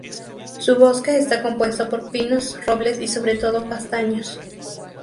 Su bosque está compuesto por pinos, robles y sobre todo, castaños.